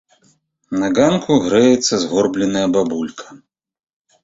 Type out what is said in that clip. На ганку грэецца згорбленая бабулька.